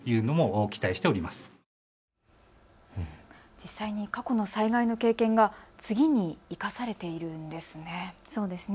実際に過去の災害の経験が次に生かされているんですね。